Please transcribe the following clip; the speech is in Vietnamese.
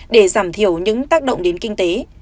để giảm thiểu những tác động đến kinh tế